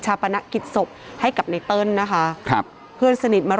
ปนักกิจศพให้กับไนเติ้ลนะคะครับเพื่อนสนิทมา